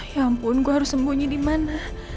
ya ampun gue harus sembunyi dimana